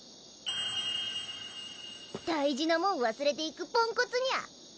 大事なもん忘れていくポンコツニャ。